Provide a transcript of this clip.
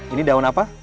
ini daun apa